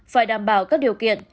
phải đảm bảo các điều kiện